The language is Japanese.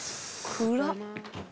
暗っ！